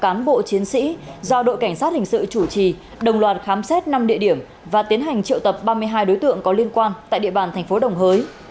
một cán bộ chiến sĩ do đội cảnh sát hình sự chủ trì đồng loạt khám xét năm địa điểm và tiến hành triệu tập ba mươi hai đối tượng có liên quan tại địa bàn thành phố đồng hới